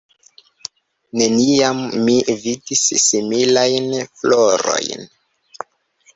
Neniam mi vidis similajn florojn.